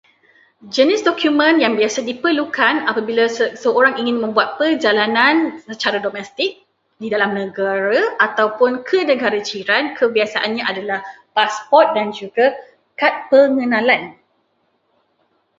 Jenis dokumen yang diperlukan apabila seseorang ingin membuat perjalanan secara domestik, di dalam negara ataupun ke negara jiran, kebiasaannya adalah pasport dan juga kad pengenalan.